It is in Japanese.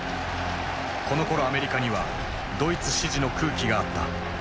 このころアメリカにはドイツ支持の空気があった。